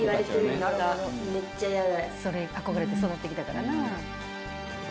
それ憧れて育ってきたからな。